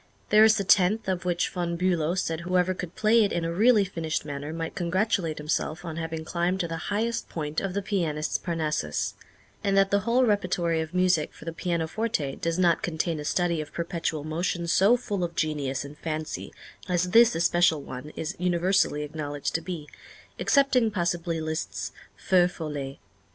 There is the tenth, of which Von Bülow said whoever could play it in a really finished manner might congratulate himself on having climbed to the highest point of the pianist's Parnassus, and that the whole repertory of music for the pianoforte does not contain a study of perpetual motion so full of genius and fancy as this especial one is universally acknowledged to be, excepting, possibly, Liszt's "Feux Follets."